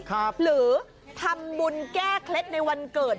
หรือทำบุญแก้เคล็ดในวันเกิด